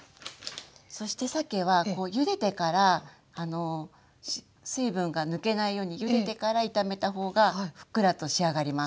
そしてさけはゆでてから水分が抜けないようにゆでてから炒めた方がふっくらと仕上がります。